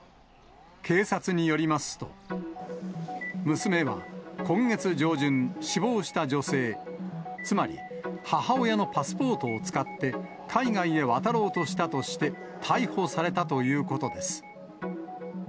警察によりますと、娘は今月上旬、死亡した女性、つまり母親のパスポートを使って海外へ渡ろうとしたとして、逮捕されたということです。